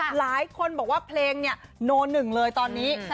หลายคนบอกว่าเพลงเนี่ยโนหนึ่งเลยตอนนี้